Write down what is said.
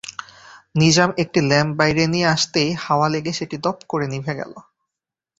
নিজাম একটি ল্যাম্প বাইরে নিয়ে আসতেই হাওয়া লেগে সেটি দপ করে নিতে গেল।